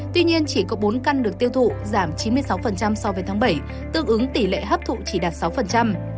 tuy nhiên chỉ có bốn căn được tiêu thụ giảm chín mươi sáu so với tháng bảy tương ứng tỷ lệ hấp thụ chỉ đạt sáu